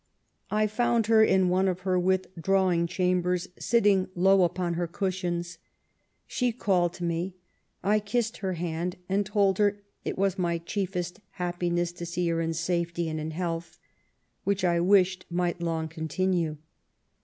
I found her in one of her withdrawing chambers, sitting low upon her cushions. She called me to her ; I kissed her hand and told her it was my chiefest happiness to see her in safety and in health, which I wished might long continue.